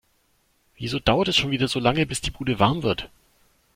Wieso dauert es schon wieder so lange, bis die Bude warm wird?